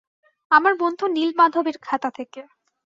আমার বন্ধু নীলমাধবের খাতা থেকে।